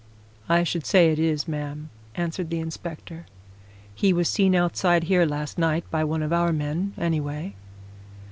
"I should say it is, ma'am," answered the inspector. "He was seen outside here last night by one of our men, anyway."